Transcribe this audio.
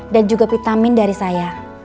dan juga vitamin dari saya